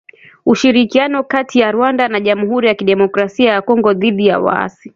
Ushirikiano kati ya Rwanda na jamuhuri ya kidemokrasia ya Kongo dhidi ya waasi